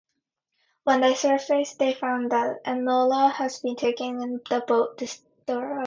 When they surface, they find that Enola has been taken and the boat destroyed.